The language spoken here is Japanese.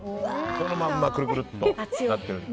そのまんまくるくるとなってる。